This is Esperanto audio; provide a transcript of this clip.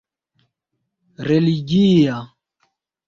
religia